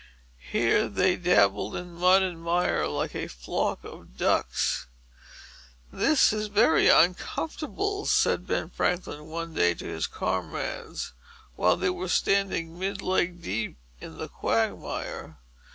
Here they dabbled in mud and mire like a flock of ducks. "This is very uncomfortable," said Ben Franklin one day to his comrades, while they were standing mid leg deep in the quagmire.